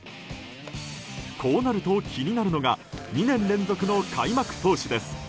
こうなると気になるのが２年連続の開幕投手です。